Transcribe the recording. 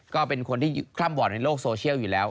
ก็เป็นคนที่คล่ำบ่อนในโลกโซเชียลอยู่แล้ว